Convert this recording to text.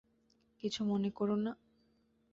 কিছু মনে করো না।